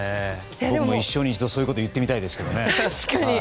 一生に一度、そういうことを言ってみたいですね。